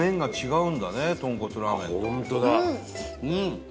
うん。